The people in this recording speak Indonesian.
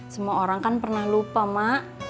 semua orang kan pernah lupa mak